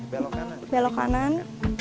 boleh belok kanan